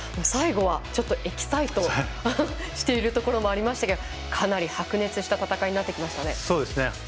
最後はエキサイトしているところありましたけどもかなり白熱した戦いになってきましたね。